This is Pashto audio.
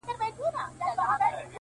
سیاه پوسي ده ـ شپه لېونۍ ده ـ